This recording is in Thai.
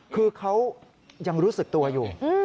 คือเขายังรู้สึกตัวอยู่